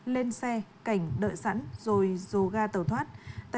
lên xe cảnh đợi sẵn rồi dồ ga tàu thoát